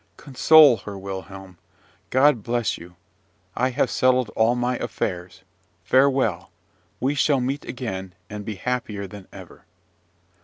Console her, Wilhelm. God bless you! I have settled all my affairs! Farewell! We shall meet again, and be happier than ever."